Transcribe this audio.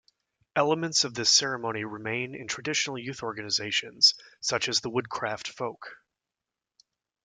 Elements of this ceremony remain in traditional youth organizations such as the Woodcraft Folk.